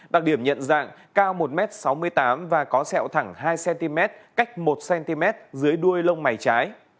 đặc điểm nhận dạng cao một m sáu mươi tám và có sẹo thẳng hai cm cách một cm dưới đuôi lông mày trái